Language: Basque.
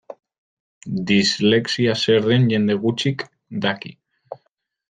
Dislexia zer den jende gutxik daki.